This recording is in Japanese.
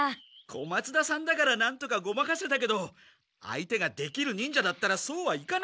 小松田さんだからなんとかごまかせたけど相手ができる忍者だったらそうはいかないぞ！